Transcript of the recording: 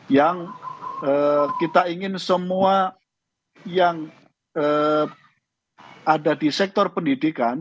yang kita ingin semua yang ada di sektor pendidikan